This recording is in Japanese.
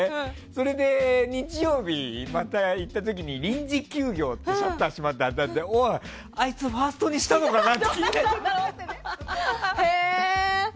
それで日曜日、また行った時に臨時休業でシャッター閉まってておい、あいつファーストにしたのかな？